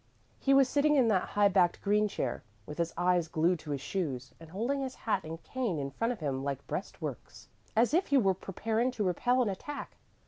"He was sitting in that high backed green chair, with his eyes glued to his shoes, and holding his hat and cane in front of him like breastworks, as if he were preparing to repel an attack.